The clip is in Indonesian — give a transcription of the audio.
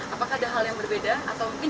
apakah ada hal yang berbeda atau mungkin